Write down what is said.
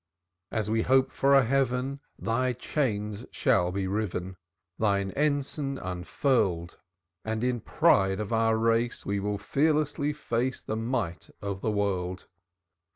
As we hope for a Heaven, Thy chains shall be riven, Thine ensign unfurled. And in pride of our race We will fearlessly face The might of the world.